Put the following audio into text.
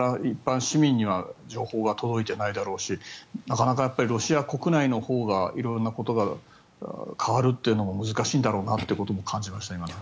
一般市民には情報は届いてないだろうしなかなかロシア国内のほうが色々なことが変わるのも難しいんだろうなということも感じました。